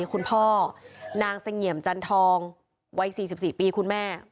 ก็นางสังเงียมจันทองวัย๔๔ปีคุณแม่